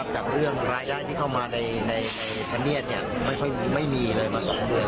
จากเรื่องรายได้ที่เข้ามาในพเนียดไม่ค่อยไม่มีเลยมา๒เดือน